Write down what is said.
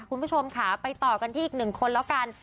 คุณผู้ชมค่ะไปต่อกันที่อีกหนึ่งคนแล้วกัน